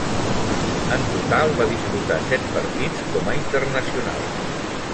En total, va disputar set partits com a internacional.